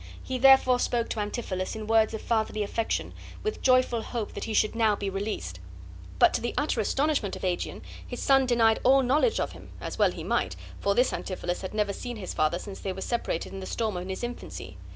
He therefore spoke to Antipholus in words of fatherly affection, with joyful hope that he should now be released. But, to the utter astonishment of Aegeon, his son denied all knowledge of him, as well he might, for this Antipholus had never seen his father since they were separated in the storm in his infancy.